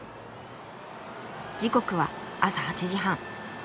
時刻は朝８時半。